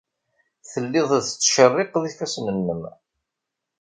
Telliḍ tettcerriqeḍ ifassen-nnem.